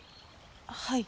はい。